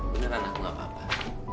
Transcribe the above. beneran aku gak apa apa